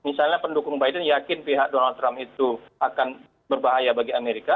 misalnya pendukung biden yakin pihak donald trump itu akan berbahaya bagi amerika